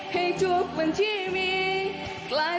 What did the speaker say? น่ารักมากเลย